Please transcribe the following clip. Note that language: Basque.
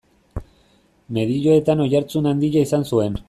Medioetan oihartzun handia izan zuen.